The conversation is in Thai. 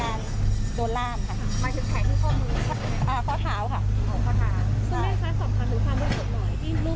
แต่เราไม่เชื่อเพราะน้องอยู่กับเราน้อง